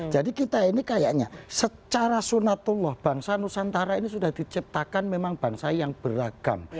jadi kita ini kayaknya secara sunatullah bangsa nusantara ini sudah diciptakan memang bangsa yang beragam